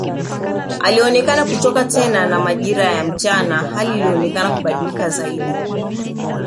Alionekana kuchoka tena na majira ya mchana hali ikaonekana kubadilika zaidi